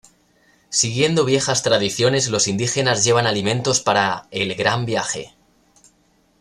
Siguiendo viejas tradiciones, los indígenas llevan alimentos para el "Gran Viaje".